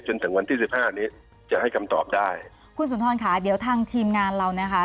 ถึงวันที่สิบห้านี้จะให้คำตอบได้คุณสุนทรค่ะเดี๋ยวทางทีมงานเรานะคะ